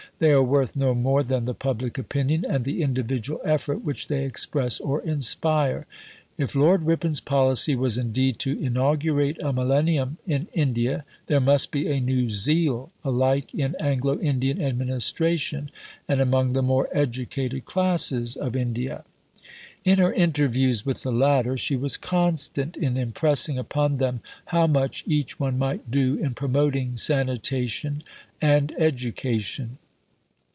They are worth no more than the public opinion and the individual effort which they express or inspire. If Lord Ripon's policy was indeed to inaugurate a millennium in India, there must be a new zeal alike in Anglo Indian administration and among the more educated classes of India. In her interviews with the latter, she was constant in impressing upon them how much each one might do in promoting sanitation and education.